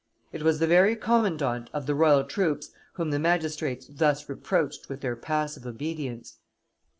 It was the very commandant of the royal troops whom the magistrates thus reproached with their passive obedience.